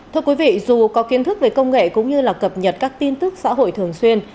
thưa quý vị dù có kiến thức về công nghệ cũng như là cập nhật các tin tức xã hội thường xuyên